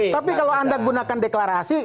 tapi kalau anda gunakan deklarasi